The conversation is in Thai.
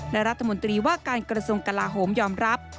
และรัฐมนตรีว่าการกระทรวงกลาโหมยอมรับ